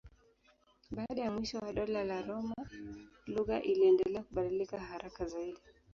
Baada ya mwisho wa Dola la Roma lugha iliendelea kubadilika haraka zaidi.